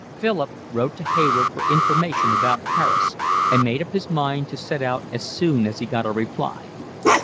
Philip wrote to Hayward for information about Paris, and made up his mind to set out as soon as he got a reply.